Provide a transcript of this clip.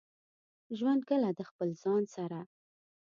ژوند کله د خپل ځان سره.